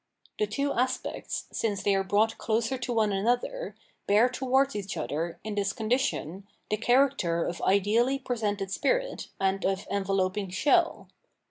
The two aspects, since they are brought closer to one another, bear towards each other, in this condition, the character of ideally presented spirit and of enveloping shell.